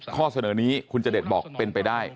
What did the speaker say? ข้อเสนอนี้คุณจเดชบอกเป็นไปได้